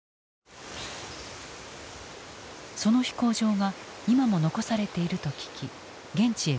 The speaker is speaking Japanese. その飛行場が今も残されていると聞き現地へ向かった。